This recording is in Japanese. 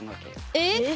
えっ。